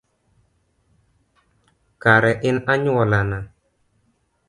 Kare in anyuolana?